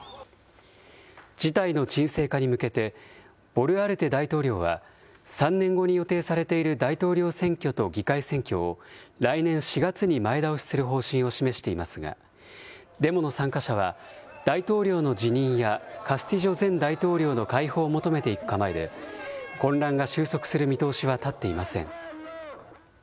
事態の鎮静化に向けて、ボルアルテ大統領は、３年後に予定されている大統領選挙と議会選挙を、来年４月に前倒しする方針を示していますが、デモの参加者は、大統領の辞任やカスティジョ前大統領の解放を求めていく構えで、混乱が収束する見通しは立っていません。